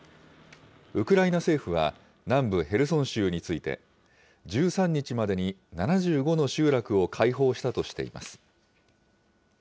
ウクライナ政府は、南部ヘルソン州について、１３日までに７５の集落を解放したとしています。